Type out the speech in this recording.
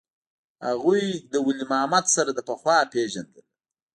هغوى له ولي محمد سره له پخوا پېژندل.